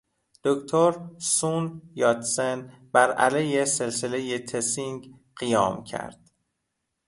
دکتر سون یاتسن بر علیه سلسلهٔ تسینگ قیام کرد.